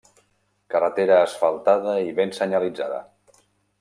Carretera asfaltada i ben senyalitzada.